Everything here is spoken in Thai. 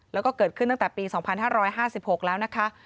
แล้วก็เกิดขึ้นตั้งแต่ปี๒๕๕๖แล้วนะคะ